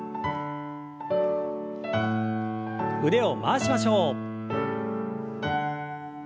腕を回しましょう。